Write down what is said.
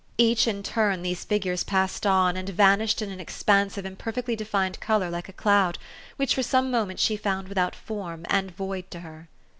Each, in turn, these figures passed on, and vanished in an expanse of imperfectly defined color like a cloud, which for some moments she found without form and void to her.